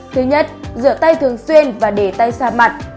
thứ nhất rửa tay thường xuyên và để tay xa mặt